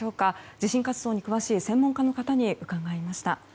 地震活動に詳しい専門家の方に伺いました。